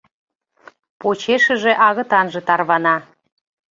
Почешыже агытанже тарвана.